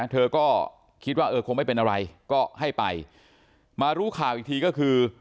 เธอก็คิดว่าเออคงไม่เป็นอะไรก็ให้ไปมารู้ข่าวอีกทีก็คือ